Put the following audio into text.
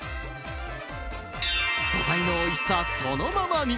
素材のおいしさそのままに！